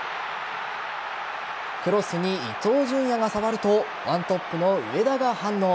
クロスに伊東純也が触ると１トップの上田が反応。